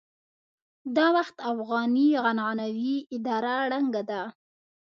دا وخت افغاني عنعنوي اداره ړنګه ده.